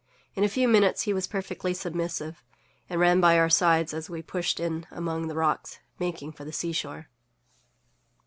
In a few minutes he was perfectly submissive, and ran by our sides as we pushed in among the rocks, making for the seashore.